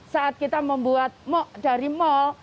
saat kita membuat dari mal